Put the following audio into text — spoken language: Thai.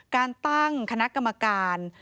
การตั้งคณะกรรมการ